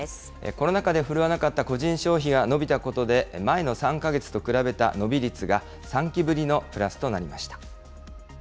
コロナ禍で振るわなかった個人消費が伸びたことで、前の３か月と比べた伸び率が３期ぶりのプラスとなりました。